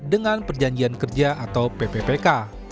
dengan perjanjian kerja atau pppk